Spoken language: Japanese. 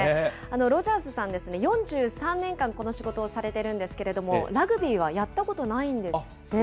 ロジャースさんですね、４３年間、この仕事をされてるんですけれども、ラグビーはやったことないんですって。